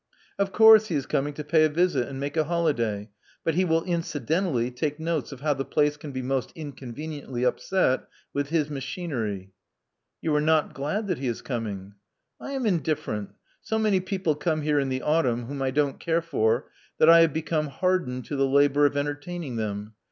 '*0f course he is coming to pay a visit and make a holiday. But he will incidentally take notes of how the place can be most inconveniently upset with his machinery." *'You are not glad that he is coming." I am indifferent. So many people come here in the autumn whom I don't care for, that I have become hardened to the labor of entertaining them.